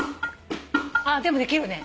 でもできるね。